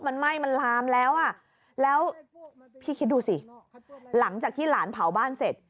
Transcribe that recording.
มันไหม้มันลามแล้วอ่ะแล้วพี่คิดดูสิหลังจากที่หลานเผาบ้านเสร็จ